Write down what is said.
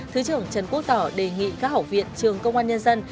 thứ trưởng trần quốc tỏ đề nghị các hậu viện trường công an nhân dân